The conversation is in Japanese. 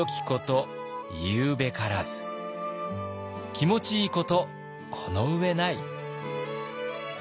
「気持ちいいことこの上ない」。